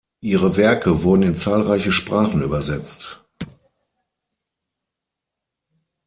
Ihre Werke wurden in zahlreiche Sprachen übersetzt.